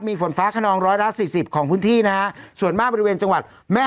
มีฝนฟ้าขนองร้อยละสี่สิบของพื้นที่นะฮะส่วนมากบริเวณจังหวัดแม่